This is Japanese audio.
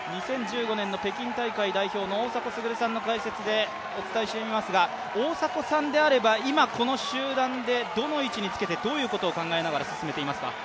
２０１５年の北京大会代表の大迫傑さんの解説でお伝えしていますが大迫さんであれば、今この集団でどの位置につけてどういうことを考えながら進めていますか。